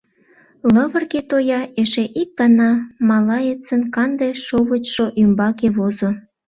Лывырге тоя эше ик гана малаецын канде шовычшо ӱмбаке возо.